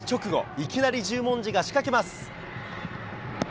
試合開始直後、いきなり十文字が仕掛けます。